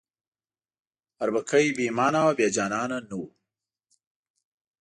اربکی بې ایمانه او بې جانانه نه وو.